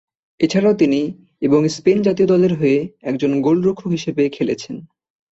এছাড়াও তিনি এবং স্পেন জাতীয় দলের হয়ে একজন গোলরক্ষক হিসেবে খেলেছেন।